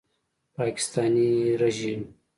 پاکستاني ریژیم